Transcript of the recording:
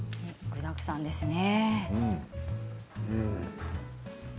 具だくさんですね。